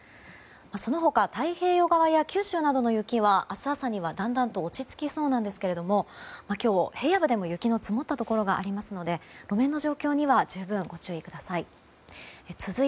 その他、太平洋側や九州などの雪は明日朝にはだんだん落ち着きそうなんですが今日、平野部でも雪の積もったところがあるので路面の状況には十分ご注意ください。